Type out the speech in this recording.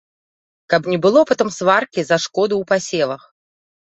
Каб не было потым сваркі за шкоду ў пасевах.